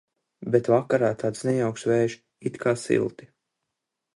Bet vakarā tāds nejauks vējš, it kā silti.